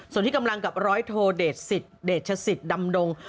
ส่วนที่กำลังกับรอยโทเด็จสิทธ์เด็จชศิษภ์ดำดง